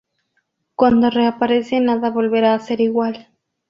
Cuando reaparece nada volverá a ser igual.